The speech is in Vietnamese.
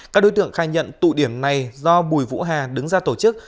các đối tượng khai nhận tụ điểm này do bùi vũ hà đứng ra tổ chức